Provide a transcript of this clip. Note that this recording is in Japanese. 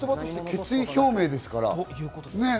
決意表明ですからね。